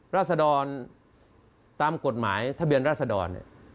ราศดรตามกฎหมายทะเบียนราศดร